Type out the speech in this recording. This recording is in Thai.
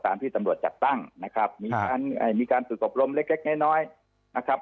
ตามที่ตำรวจจัดตั้งนะครับครับมีการมีการสุดกรบรมเล็กเล็กน้อยน้อยนะครับ